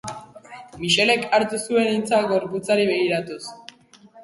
Mixelek hartu zuen hitza gorputzari begiratuz.